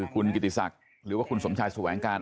คุณกิติศักดิ์หรือว่าคุณสมชายแสวงการ